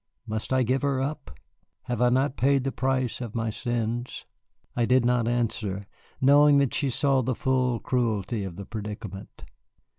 Must I give her up? Have I not paid the price of my sins?" I did not answer, knowing that she saw the full cruelty of the predicament.